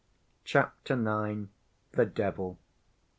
Chapter IX. The Devil.